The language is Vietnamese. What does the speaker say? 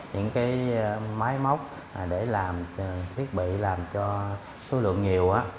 những cái máy móc để làm thiết bị làm cho số lượng nhiều